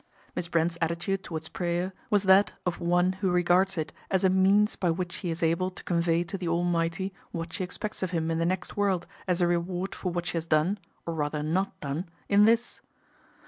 Miss Brent's attitude towards prayer was that of one who regards it as a means by which she is able to convey to the Almighty what she ex pects of Him in the next world as a reward for what she has done, or rather not done, in this.